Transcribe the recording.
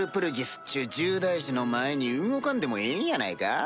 っちゅう重大事の前に動かんでもええんやないか？